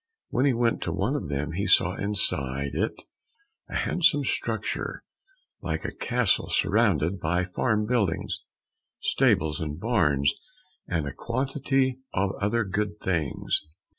When he went to one of them he saw inside it a handsome structure like a castle surrounded by farm buildings, stables and barns, and a quantity of other good things.